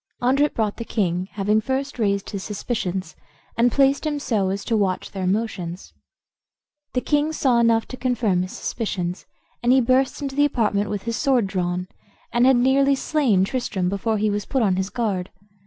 Andret brought the king, having first raised his suspicions, and placed him so as to watch their motions. The king saw enough to confirm his suspicions, and he burst into the apartment with his sword drawn, and had nearly slain Tristram before he was put on his guard.